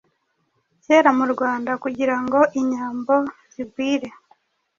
Kera mu Rwanda, kugirango inyambo zigwire